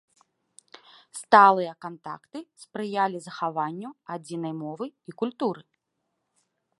Сталыя кантакты спрыялі захаванню адзінай мовы і культуры.